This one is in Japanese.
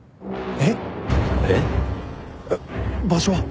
えっ場所は？